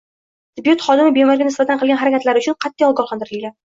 Tibbiyot xodimi bemorga nisbatan qilgan harakatlari uchun qat’iy ogohlantirilgan